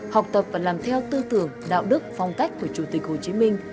học tập và làm theo tư tưởng đạo đức phong cách của chủ tịch hồ chí minh